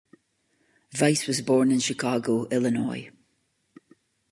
Weiss was born in Chicago, Illinois.